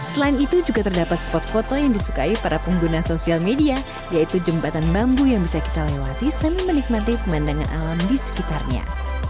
selain itu juga terdapat spot foto yang disukai para pengguna sosial media yaitu jembatan bambu yang bisa kita lewati sambil menikmati pemandangan alam di sekitarnya